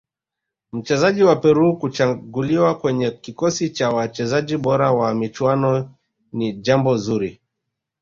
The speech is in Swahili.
mchezaji wa peru kuchaguliwa kwenye kikosi cha wachezaji bora wa michuano ni jambo zuri